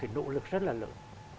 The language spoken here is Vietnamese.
thì về cái nỗ lực rất là lớn